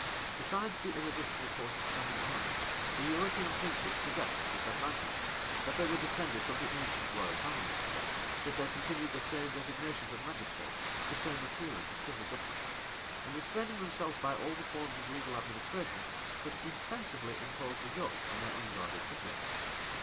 Besides the irresistible force of standing armies, the European princes possessed this advantage, that they were descended from the ancient royal families; that they continued the same designations of magistrates, the same appearance of civil government; and restraining themselves by all the forms of legal administration, could insensibly impose the yoke on their unguarded subjects.